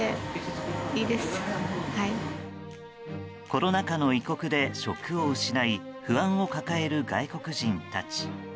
コロナ禍の異国で職を失い不安を抱える外国人たち。